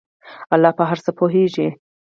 الله په هر څه پوهیږي.